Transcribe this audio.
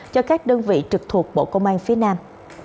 cho các đơn vị trực thuộc bộ công an phía nam